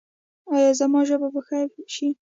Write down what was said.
ایا زما ژبه به ښه شي؟